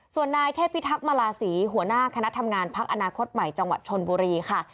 ส่วนนายเทพิทักษีหัวหน้าคณะทำงานพักอนาคตใหม่จังหวัดชนบุรีค่ะ